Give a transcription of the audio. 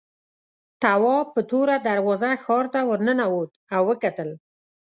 تواب په توره دروازه ښار ته ورننوت او وکتل.